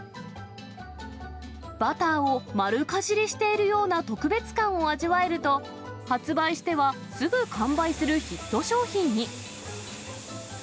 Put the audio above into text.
バターを丸かじりしているような特別感を味わえると、発売しては、すぐ完売するヒット商品に。